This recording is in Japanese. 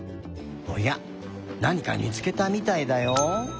おやなにかみつけたみたいだよ。